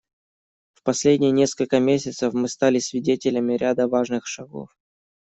В последние несколько месяцев мы стали свидетелями ряда важных шагов.